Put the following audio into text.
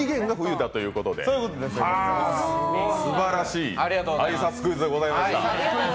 すばらしい、挨拶クイズでございました。